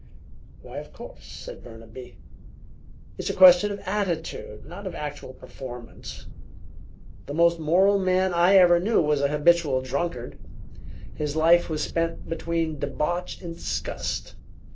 "Why, of course," said Burnaby. "It's a question of attitude, not of actual performance. The most moral man I ever knew was a habitual drunkard. His life was spent between debauch and disgust.